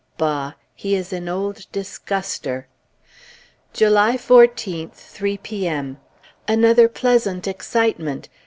Bah! He is an old disguster! July 14th, 3 P.M. Another pleasant excitement.